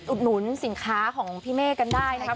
หนุนสินค้าของพี่เมฆกันได้นะครับ